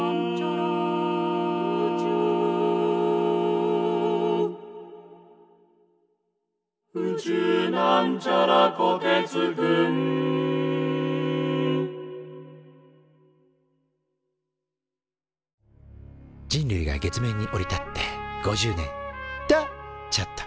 「宇宙」人類が月面に降り立って５０年！とちょっと。